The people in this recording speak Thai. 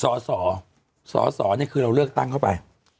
สสสสคือเราเลือกตั้งเข้าไป